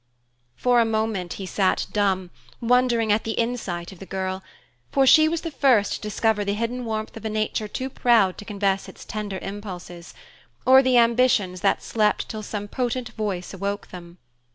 For a moment he sat dumb, wondering at the insight of the girl; for she was the first to discover the hidden warmth of a nature too proud to confess its tender impulses, or the ambitions that slept till some potent voice awoke them.